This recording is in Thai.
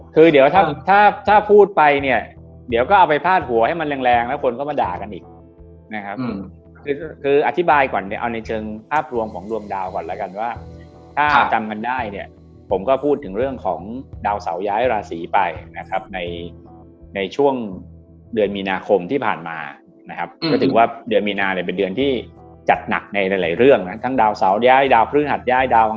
คือเดี๋ยวถ้าพูดไปเนี่ยเดี๋ยวก็เอาไปพาดหัวให้มันแรงแล้วคนก็มาด่ากันอีกนะครับคืออธิบายก่อนเนี่ยเอาในเชิงภาพรวมของรวมดาวก่อนแล้วกันว่าถ้าจำกันได้เนี่ยผมก็พูดถึงเรื่องของดาวเสาร์ย้ายราศรีไปนะครับในช่วงเดือนมีนาคมที่ผ่านมานะครับก็ถือว่าเดือนมีนาคมเป็นเดือนที่จัดหนักในหลาย